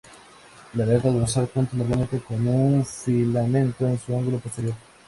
La aleta dorsal cuenta normalmente con un filamento en su ángulo posterior.